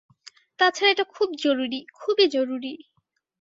তাছাড়া এটা খুব জরুরি, খুবই জরুরি।